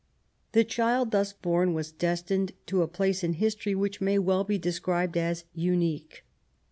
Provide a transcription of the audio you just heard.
The child thus born was destined to a place in history which may well be described as unique.